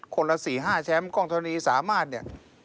คนละ๔๕แชมป์กล้องทนีสามารถเนี่ย